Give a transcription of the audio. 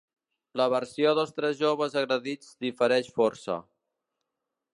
La versió dels tres joves agredits difereix força.